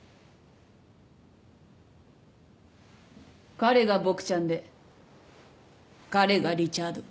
彼がボクちゃんで彼がリチャード。